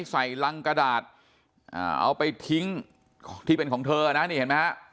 ใส่รังกระดาษเอาไปทิ้งที่เป็นของเธอนะนี่เห็นไหมฮะ